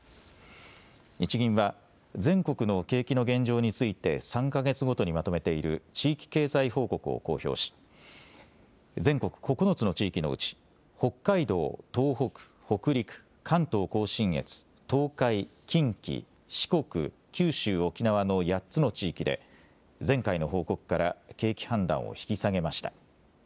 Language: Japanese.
日銀は全国の景気の現状について３か月ごとにまとめている地域経済報告を公表し全国９つの地域のうち北海道、東北、北陸、関東甲信越、東海、近畿、四国、九州・沖縄の８つの地域で前回の報告から景気判断を引き下げました。